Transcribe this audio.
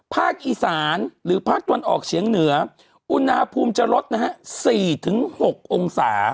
ภาคอีสานหรือภาคตะวันออกเฉียงเหนืออุณหภูมิจะลดนะฮะ๔๖องศา